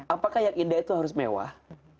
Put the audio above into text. apakah yang indah itu harus mewah